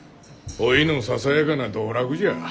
おいのささやかな道楽じゃ。